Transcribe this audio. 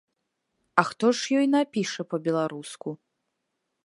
А хто ж ёй напіша па-беларуску?